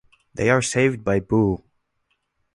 They are saved by Boo.